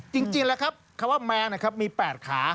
จริงแล้วครับคำว่าแมงมี๘ขา